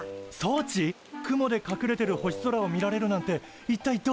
雲でかくれてる星空を見られるなんていったいどういう技術なの？